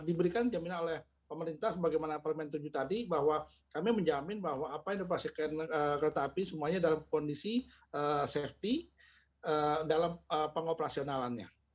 diberikan jaminan oleh pemerintah sebagaimana permen tujuh tadi bahwa kami menjamin bahwa apa yang dipastikan kereta api semuanya dalam kondisi safety dalam pengoperasionalannya